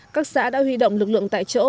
các xã đã huy động lực lượng tại chỗ